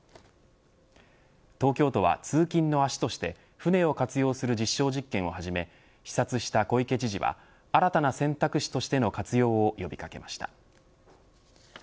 東京都は、通勤の足として船を活用する実証実験を始め視察した小池知事は新たな選択肢としての活用を呼び掛けました。